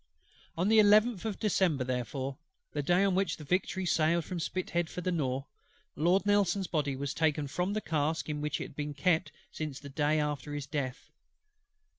On the 11th of December therefore, the day on which the Victory sailed from Spithead for the Nore, Lord NELSON'S Body was taken from the cask in which it had been kept since the day after his death.